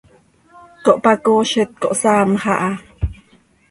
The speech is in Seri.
Cohpacoozit, cohsaamx aha.